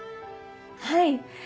はい。